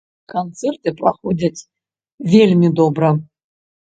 Канцэрты, праходзяць вельмі добра.